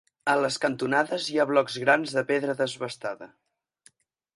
A les cantonades hi ha blocs grans de pedra desbastada.